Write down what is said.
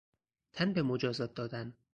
تن به مجازات دادن